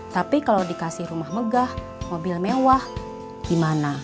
tapi kalau dikasih rumah megah mobil mewah gimana